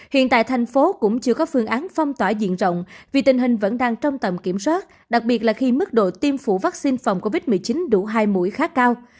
hiện tại thành phố cũng chưa có phương án phong tỏa diện rộng vì tình hình vẫn đang trong tầm kiểm soát đặc biệt là khi mức độ tiêm phủ vaccine phòng covid một mươi chín đủ hai mũi khá cao